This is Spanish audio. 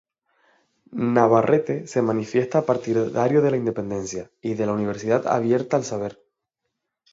Navarrete se manifiesta partidario de la independencia, y de una Universidad abierta al saber.